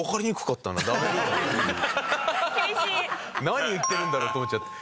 何言ってるんだろうと思っちゃった。